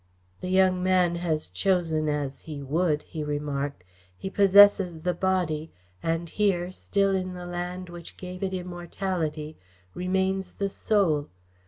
"The young man has chosen as he would," he remarked. "He possesses the Body, and here, still in the land which gave it immortality, remains the Soul.